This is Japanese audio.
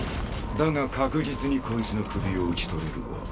だが確実にこいつの首を討ち取れるわ。